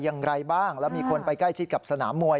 อย่างไรบ้างแล้วมีคนไปใกล้ชิดกับสนามมวย